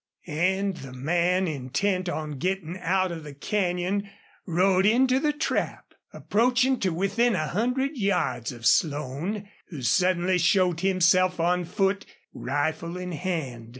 And the man, intent on getting out of the canyon, rode into the trap, approaching to within a hundred yards of Slone, who suddenly showed himself on foot, rifle in hand.